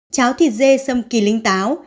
cháo thịt dê xâm kỳ lính táo